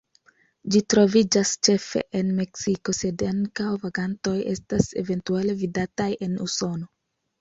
Ĝi troviĝas ĉefe en Meksiko, sed ankaŭ vagantoj estas eventuale vidataj en Usono.